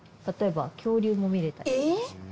例えば恐竜も見れたりします。